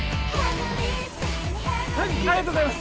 ありがとうございます。